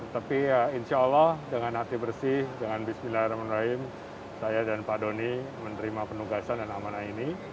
tapi insya allah dengan hati bersih dengan bismillahirrahmanirrahim saya dan pak doni menerima penugasan dan amanah ini